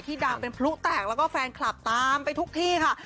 ดังเป็นพลุแตกแล้วก็แฟนคลับตามไปทุกที่ค่ะ